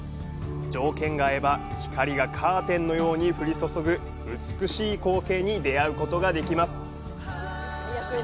条件が合えば光がカーテンのように降り注ぐ美しい光景に出会うことができます。